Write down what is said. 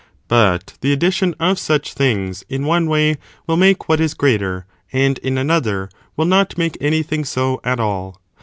But the addition of such things, in one way, will make what is greater, and, in another, will not make anything so at all.